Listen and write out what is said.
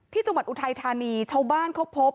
ที่จังหวัดอุทัยธานีชาวบ้านเขาพบ